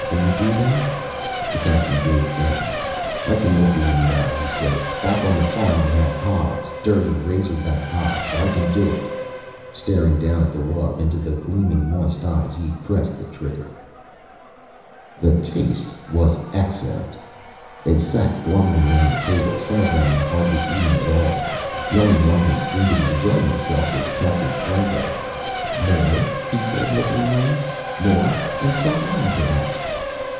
"Can you do that?" The Captain gazed down. "I can look you in the eye," he said. "Back on the farm we had hogs, dirty razor back hogs. I can do it." Staring down at the wub, into the gleaming, moist eyes, he pressed the trigger. The taste was excellent. They sat glumly around the table, some of them hardly eating at all. The only one who seemed to be enjoying himself was Captain Franco. "More?" he said, looking around. "More? And some wine, perhaps."